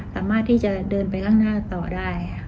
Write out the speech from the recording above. สามารถที่จะเดินไปข้างหน้าต่อได้